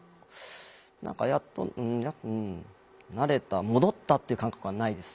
何かやっとうんなれた戻ったっていう感覚はないです。